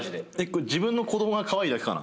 自分の子供がカワイイだけかな？